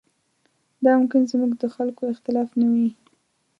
دا ممکن زموږ د خلکو اختلاف نه وي.